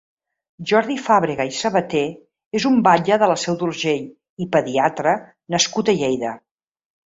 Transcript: Jordi Fàbrega i Sabaté és un batlle de la Seu d'Urgell i pediatre nascut a Lleida.